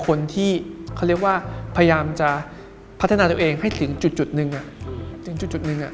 คนที่เขาเรียกว่าพยายามจะพัฒนาตัวเองให้สิ่งจุดนึง